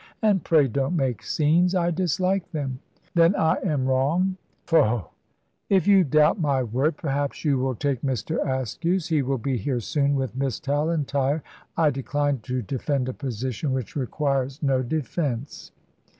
And pray don't make scenes I dislike them." "Then I am wrong?" "Faugh! If you doubt my word, perhaps you will take Mr. Askew's. He will be here soon with Miss Tallentire. I decline to defend a position which requires no defence."